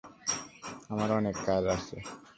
আমার অনেক কাজ আছে।